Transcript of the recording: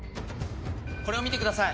これを見てください。